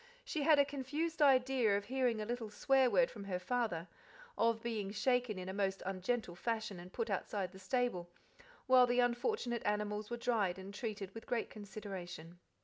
She had a confused idea of hearing a little "swear word" from her father, of being shaken in a most ungentle fashion and put outside the stable, while the unfortunate animals were dried and treated with great consideration.